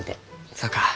そうか。